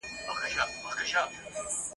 تاریخي آثار دا نقش تائیدوي.